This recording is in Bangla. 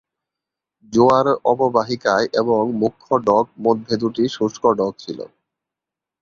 জোয়ার অববাহিকায় এবং মুখ্য ডক মধ্যে দুটি শুষ্ক ডক ছিল।